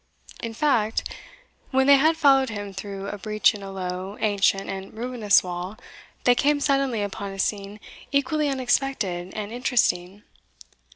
In fact, when they had followed him through a breach in a low, ancient, and ruinous wall, they came suddenly upon a scene equally unexpected and interesting.